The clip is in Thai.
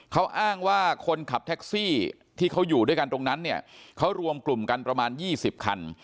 เขาอ้างว่าคนขับแท็กซี่ที่เขาอยู่ด้วยกันตรงนั้นเนี่ยเขารวมกลุ่มกันประมาณ๒๐คัน